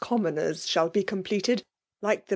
Commoners' shall be completed, like the.